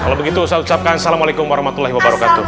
kalau begitu saya ucapkan assalamualaikum warahmatullahi wabarakatuh